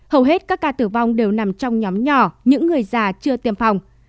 hầu hết các ca tử vong đều nằm trong nhóm nhỏ những người già chưa tiêm phòng